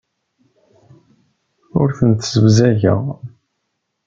Ur tent-ssebzageɣ.